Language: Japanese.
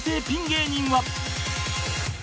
ピン芸人は